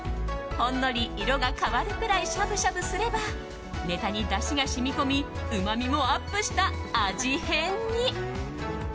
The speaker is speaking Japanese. ほんのり色が変わるくらいしゃぶしゃぶすればネタにだしが染み込みうまみもアップした味変に。